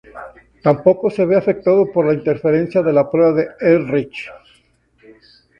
Tampoco se ve afectado por la interferencia de la prueba de Ehrlich.